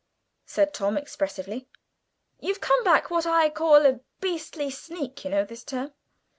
said Tom expressively. "You've come back what I call a beastly sneak, you know, this term.